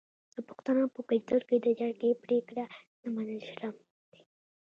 د پښتنو په کلتور کې د جرګې پریکړه نه منل شرم دی.